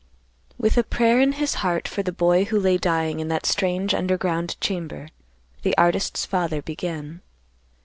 With a prayer in his heart for the boy who lay dying in that strange underground chamber, the artist's father began.